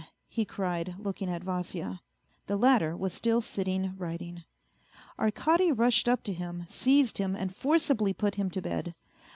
he cried, looking at Vasya; the latter was still sitting writing. Arkady rushed up to him, seized him and forcibly put him to bed.